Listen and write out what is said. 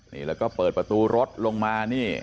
นี่แล้วก็เปิดประตูรถลงมานี่